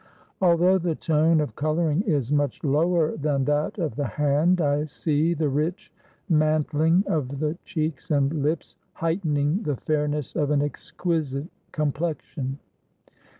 Although the tone of coloring is much lower than that of the hand, I see the rich manthng of the cheeks and lips heightening the fairness of an exquisite complexion."